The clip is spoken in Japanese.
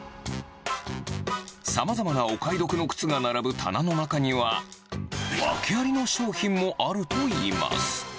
さまざまなお買い得な靴が並ぶ棚の中には、訳ありの商品もあるといいます。